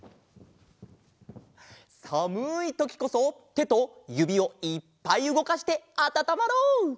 さむいときこそてとゆびをいっぱいうごかしてあたたまろう！